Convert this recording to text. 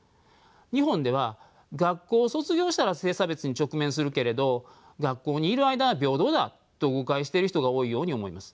日本では学校を卒業したら性差別に直面するけれど学校にいる間は平等だと誤解している人が多いように思います。